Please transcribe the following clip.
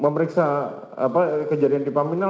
memeriksa kejadian di pamina